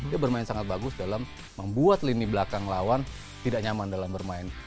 dia bermain sangat bagus dalam membuat lini belakang lawan tidak nyaman dalam bermain